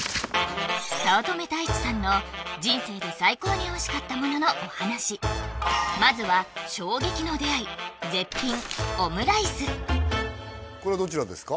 早乙女太一さんの人生で最高においしかったもののお話まずはこれはどちらですか？